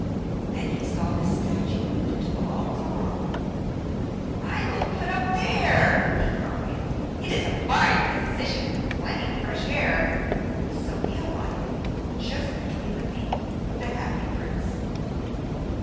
Then he saw the statue on the tall column. 'I will put up there,' he cried; 'it is a fine position with plenty of fresh air.' So he alighted just between the feet of the Happy Prince.